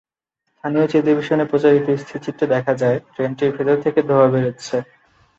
স্থানীয় টেলিভিশনে প্রচারিত স্থিরচিত্রে দেখা যায়, ট্রেনটির ভেতর থেকে ধোঁয়া বের হচ্ছে।